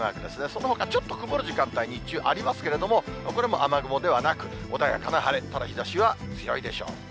そのほかちょっと曇る時間帯、日中ありますけれども、これも雨雲ではなく、穏やかな晴れ、ただ日ざしは強いでしょう。